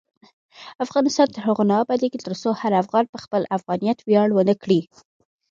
افغانستان تر هغو نه ابادیږي، ترڅو هر افغان په خپل افغانیت ویاړ ونه کړي.